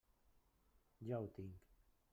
Ja ho tinc!